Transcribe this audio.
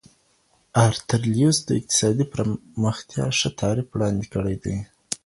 ارتر ليوس د اقتصادي پرمختيا ښه تعريف وړاندې کړی دی.